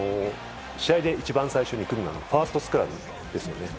試合で一番最初に組むのはファーストスクラムですよね。